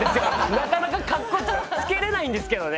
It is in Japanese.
なかなかカッコつけれないんですけどね。